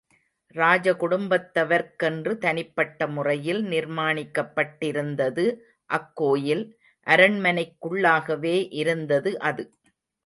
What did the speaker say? ராஜ குடும்பத்தவர்க்கென்று தனிப்பட்ட முறையில் நிர்மாணிக்கப்பட்டிருந்தது அக்கோயில், அரண்மனைக்குள்ளாகவே இருந்தது அது.